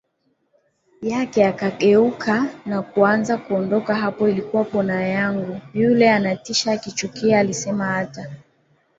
yake akageuka na kuanza kuondokaHapo ilikuwa pona yangu Yule anatisha akichukia alisemaHata